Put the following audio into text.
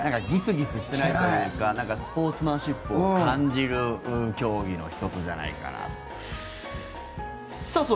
ギスギスしてないというかスポーツマンシップを感じる競技の１つじゃないかなと。